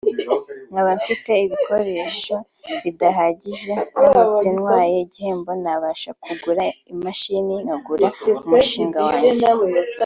nkaba mfite ibikoresho bidahagije […] Ndamutse ntwaye igihembo nabasha kugura imashini nkagura umushinga wanjye